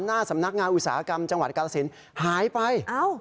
หน้าสำนักงานอุตสาหกรรมจังหวัดกาลสินหายไป